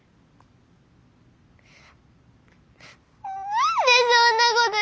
何でそんなこと言うの。